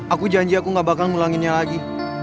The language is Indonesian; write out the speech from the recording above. aku janji aku gak bakal ngulanginnya lagi